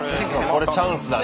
これチャンスだね。